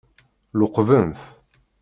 Luqben-t.